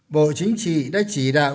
bộ chính trị đã chỉ đạo